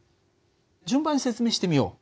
順番に説明してみよう。